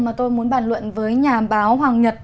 mà tôi muốn bàn luận với nhà báo hoàng nhật